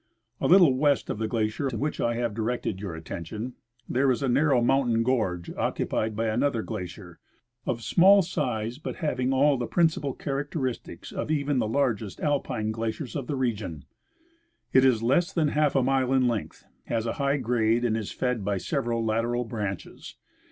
A little west of the glacier to which I have directed your atten tion there is a narrow mountain gorge occuj^ied by another glacier, of small size but having all the principal characteristics of even the largest Alpine glaciers of the region. It is less than half a mile in length, has a high grade, and is fed by several lateral branches.